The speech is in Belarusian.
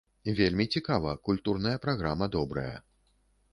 Вельмі цікава, культурная праграма добрая.